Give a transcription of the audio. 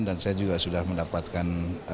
dan saya juga sudah mendapatkan